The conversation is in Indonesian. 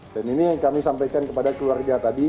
dan ini yang kami sampaikan kepada keluarga tadi